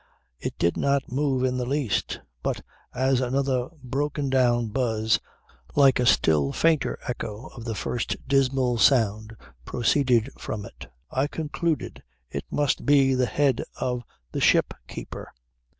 It did not move in the least; but as another broken down buzz like a still fainter echo of the first dismal sound proceeded from it I concluded it must be the head of the ship keeper.